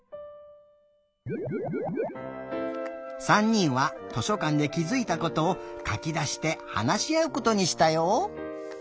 ３にんは図書かんできづいたことをかきだしてはなしあうことにしたよ。